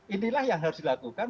inilah yang harus dilakukan